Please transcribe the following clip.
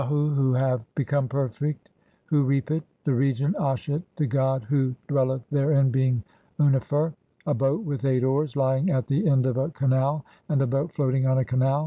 hu who have become perfect who reap it ; the region Ashet, the god who dwelleth therein being Unnefer ; a boat with eight oars, lying at the end of a canal ; and a boat floating on a canal.